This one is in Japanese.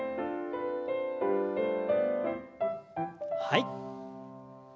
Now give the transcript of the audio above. はい。